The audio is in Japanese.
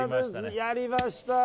やりました！